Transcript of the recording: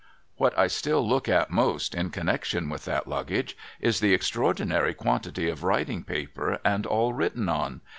\\'hat I still look at most, in connection with that Luggage, is the extraordinary quantity of writing paper, and all written on